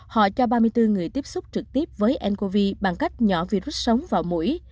họ cho ba mươi bốn người tiếp xúc trực tiếp với ncov bằng cách nhỏ virus sống và mũi